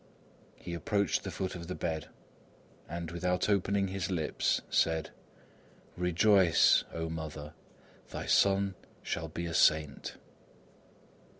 He approached the foot of the bed, and without opening his lips said: "Rejoice, O mother! Thy son shall be a saint."